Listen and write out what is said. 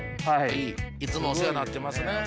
いつもお世話になってますね。